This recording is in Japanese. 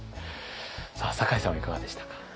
酒井さんはいかがでしたか。